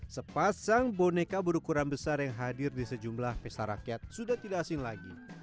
sepasang boneka berukuran besar yang hadir di sejumlah pesta rakyat sudah tidak asing lagi